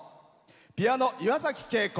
ピアノ、岩崎恵子。